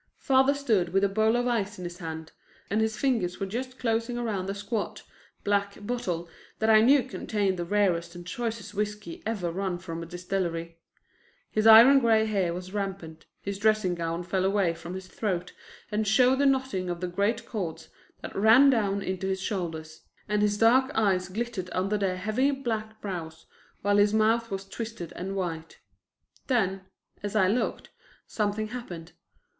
Father stood with a bowl of ice in his hand and his fingers were just closing around a squat, black bottle that I knew contained the rarest and choicest whiskey ever run from a distillery. His iron gray hair was rampant, his dressing gown fell away from his throat and showed the knotting of the great cords that ran down into his shoulders, and his dark eyes glittered under their heavy, black brows, while his mouth was twisted and white. Then, as I looked, something happened.